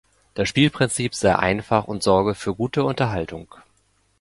Das Spielprinzip sei einfach und sorge für gute Unterhaltung.